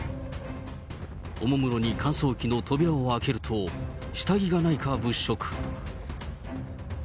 おもむろに乾燥機の扉を開けると、下着がないか物色。